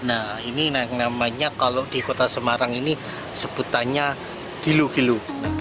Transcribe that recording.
nah ini yang namanya kalau di kota semarang ini sebutannya gilo gilo